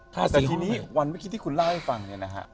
แต่ทีนี้วันเมื่อกี้ที่คุณเล่าให้ฟังเนี่ยนะฮะ